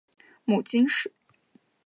母金氏。